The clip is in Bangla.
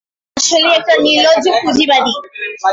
তুমি আসলেই একটা নির্লজ্জ পুঁজিবাদী!